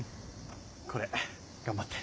これ頑張って。